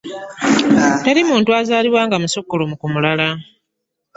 Teri muntu azalibwa nga musukulumu ku mulala.